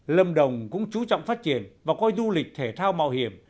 lâm đồng cũng chú trọng phát triển và coi du lịch thể thao mạo hiểm